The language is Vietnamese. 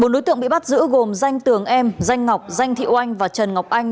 bốn đối tượng bị bắt giữ gồm danh tường em danh ngọc danh thị oanh và trần ngọc anh